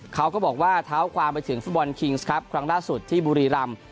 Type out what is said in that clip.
เขาก็บอกว่าเท้าความไปถึงฟุตบอลคิงส์ครับครั้งล่าสุดที่บุรีรำ